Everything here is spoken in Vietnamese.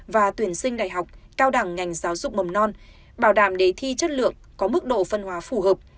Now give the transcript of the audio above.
và tuyển sinh đại học cao đẳng ngành giáo dục mầm non bảo đảm đề thi chất lượng có mức độ phân hóa phù hợp